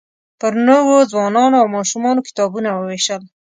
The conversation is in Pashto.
پر نوو ځوانانو او ماشومانو کتابونه ووېشل.